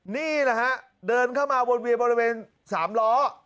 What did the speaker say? นี่แหละฮะเดินเข้ามาวนเวียนบริเวณ๓ล้อ